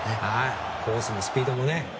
コースもスピードも。